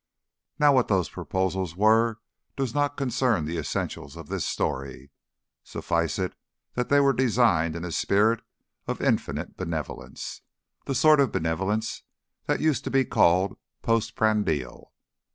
Now what those proposals were does not concern the essentials of this story. Suffice it that they were designed in a spirit of infinite benevolence, the sort of benevolence that used to be called post prandial.